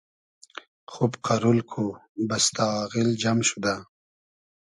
خوب قئرول کو، بئستۂ آغیل جئم شودۂ